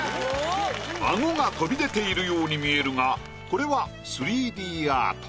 顎が飛び出ているように見えるがこれは３Ｄアート。